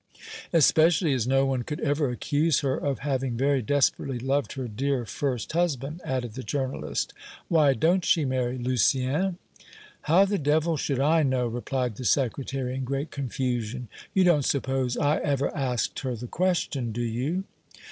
"Especially as no one could ever accuse her of having very desperately loved her dear first husband," added the journalist. "Why don't she marry, Lucien?" "How the devil should I know!" replied the Secretary in great confusion. "You don't suppose I ever asked her the question, do you?"